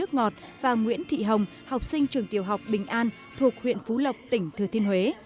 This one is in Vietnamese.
nguyễn thị hồng học sinh trường tiểu học bình an thuộc huyện phú lộc tỉnh thừa thuyên huế